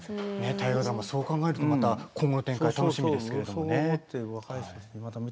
大河ドラマ、そう考えると今後の展開楽しみですけれどもね。